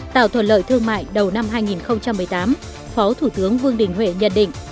tạo thuận lợi thương mại đầu năm hai nghìn một mươi tám phó thủ tướng vương đình huệ nhận định